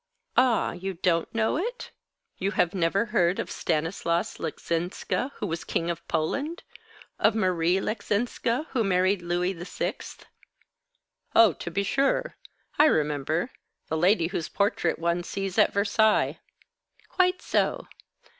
"Ah, you don't know it? You have never heard of Stanislas Leczinska, who was king of Poland? Of Marie Leczinska, who married Louis VI?" "Oh, to be sure. I remember. The lady whose portrait one sees at Versailles." "Quite so.